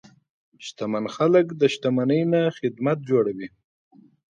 شتمن خلک د شتمنۍ نه خدمت جوړوي.